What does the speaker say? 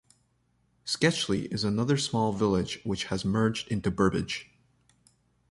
Sketchley is another small village which has merged into Burbage.